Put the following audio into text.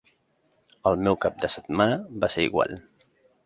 El meu cap de setmana va ser igual.